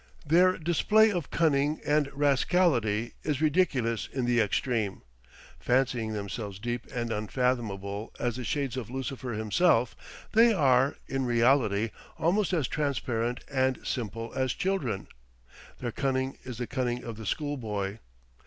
Their display of cunning and rascality is ridiculous in the extreme; fancying themselves deep and unfathomable as the shades of Lucifer himself, they are, in reality, almost as transparent and simple as children; their cunning is the cunning of the school boy.